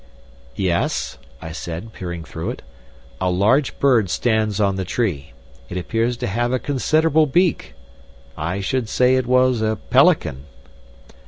"Yes," I said, peering through it, "a large bird stands on the tree. It appears to have a considerable beak. I should say it was a pelican."